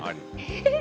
えっ！